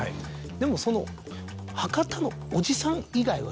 でもその博多のおじさん以外はやらない。